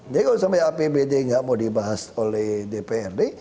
jadi kalo sampai apbd gak mau dibahas oleh dprd